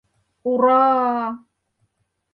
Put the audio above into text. Ур-р-а!..